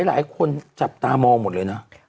หลายคนจับตามองหมดเลยนะ